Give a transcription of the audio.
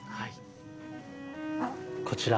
こちら。